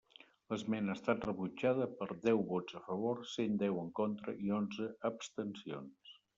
L'esmena ha estat rebutjada per deu vots a favor, cent deu en contra i onze abstencions.